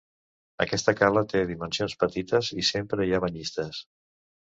Aquesta cala té dimensions petites, i sempre hi ha banyistes.